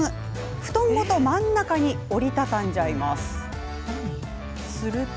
布団ごと真ん中に折り畳みます。